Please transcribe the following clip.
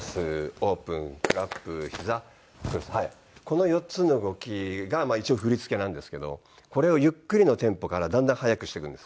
この４つの動きがまあ一応振り付けなんですけどこれをゆっくりのテンポからだんだん速くしていくんです。